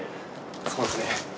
そうですね。